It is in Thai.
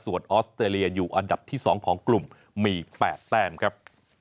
ส่วนออสเตรเลียอยู่อันดับที่๒ของกลุ่มมี๘แต้มครับ